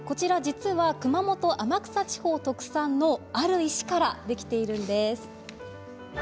熊本天草地方特産のある石からできているんです。